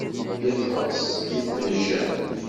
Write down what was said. Iṭṭes di tmejja.